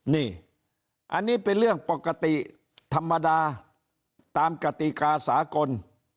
นี่อันนี้เป็นเรื่องปกติธรรมดาตามกติกาสากล